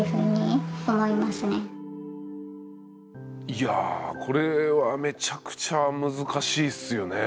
いやこれはめちゃくちゃ難しいっすよね。